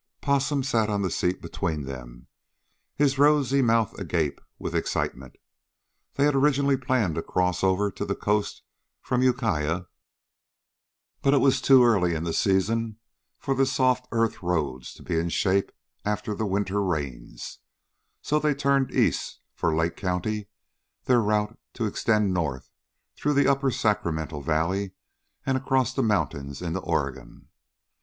Possum sat on the seat between them, his rosy mouth agape with excitement. They had originally planned to cross over to the coast from Ukiah, but it was too early in the season for the soft earth roads to be in shape after the winter rains; so they turned east, for Lake County, their route to extend north through the upper Sacramento Valley and across the mountains into Oregon.